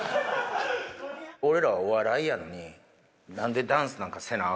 俺らはお笑いやのに、なんでダンスなんかせなあ